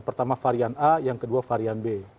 pertama varian a yang kedua varian b